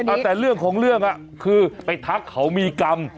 เอาแต่เรื่องของเรื่องอ่ะคือไปทักเขามีกรรม